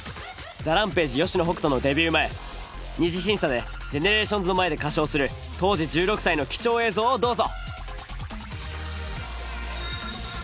ＴＨＥＲＡＭＰＡＧＥ吉野北人のデビュー前二次審査でＧＥＮＥＲＡＴＩＯＮＳの前で歌唱する当時１６歳の貴重映像をどうぞ。